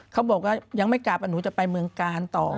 เขาบอกว่ายังไม่กลับหนูจะไปเมืองกาลต่อ